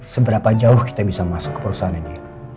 seberapa jauh kita bisa masuk ke perusahaan ini